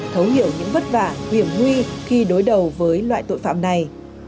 thấu hiểu những vất vả hiểm nguy khi đối đầu với loại tội phạm này